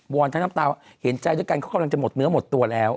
อนทั้งน้ำตาว่าเห็นใจด้วยกันเขากำลังจะหมดเนื้อหมดตัวแล้ว